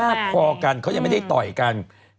คุณหมอโดนกระช่าคุณหมอโดนกระช่า